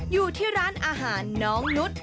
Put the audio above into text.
อยู่ที่ร้านอาหารน้องนุษย์